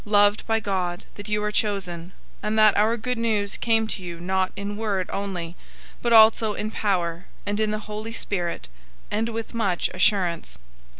"} loved by God, that you are chosen, 001:005 and that our Good News came to you not in word only, but also in power, and in the Holy Spirit, and with much assurance.